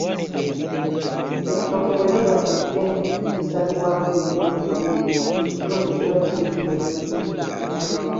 Ettooke bwe liba eddene lisalibwamu ebitundu bibiri; buli kitundu kiba kiyitibwa Ekisinja.